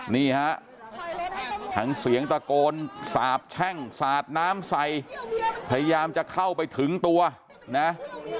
นี่ฮะทั้งเสียงตะโกนสาบแช่งสาดน้ำใส่พยายามจะเข้าไปถึงตัวนะ